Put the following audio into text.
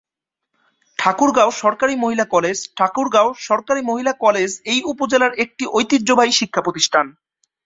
ঠাকুরগাঁও সরকারি মহিলা কলেজ: ঠাকুরগাঁও সরকারি মহিলা কলেজ এই উপজেলার একটি ঐতিহ্যবাহী শিক্ষা প্রতিষ্ঠান।